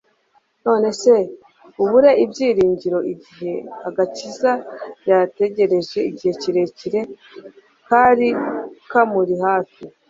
None se abure ibyiringiro igihe agakiza yategereje igihe kirekire kari kamuri hafi?